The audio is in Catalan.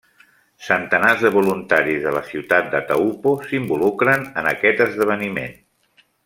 Centenars de voluntaris de la ciutat de Taupo s'involucren en aquest esdeveniment.